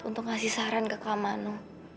untuk ngasih saran ke kak mano